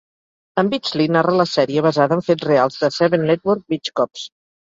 En Beachley narra la sèrie basada en fets reals de Seven Network "Beach Cops".